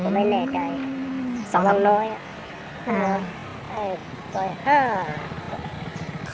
มันอ่ะฉันแหลกใจหนูสองครั้งน้อยอ่ะ